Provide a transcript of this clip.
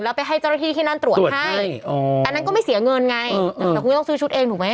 แล้วไปให้เจ้าหน้าที่ที่นั่นตรวจให้อันนั้นก็ไม่เสียเงินไงแต่คุณก็ต้องซื้อชุดเองถูกไหม